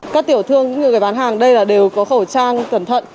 các tiểu thương những người bán hàng đây đều có khẩu trang cẩn thận